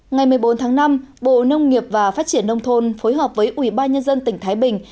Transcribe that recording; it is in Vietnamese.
ngày một mươi bốn tháng năm bộ nông nghiệp và phát triển nông thôn phối hợp với ubnd tỉnh thái bình